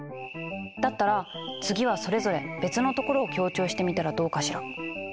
だったら次はそれぞれ別のところを強調してみたらどうかしら。